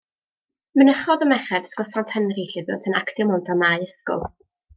Mynychodd y merched Ysgol Sant Henry, lle buont yn actio mewn dramâu ysgol.